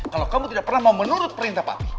kalau kamu tidak pernah mau menurut perintah papi